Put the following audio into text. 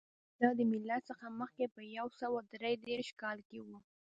دا له میلاد څخه مخکې په یو سوه درې دېرش کال کې و